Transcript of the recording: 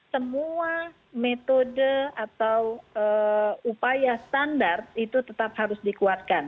semua metode atau upaya standar itu tetap harus dikuatkan